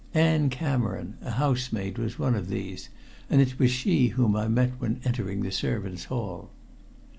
Ann Cameron, a housemaid, was one of these, and it was she whom I met when entering by the servants' hall.